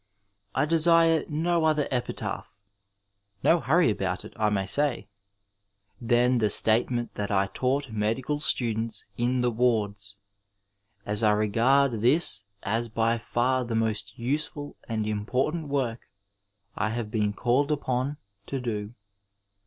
I desire no other epitaph — ^no hurry about it, I may say — ^than the statement that I taught medical students in the wards, as I regard this as by far the most useful and important work I have been called upon to do.